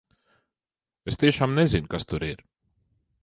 Es tiešām nezinu, kas tur ir!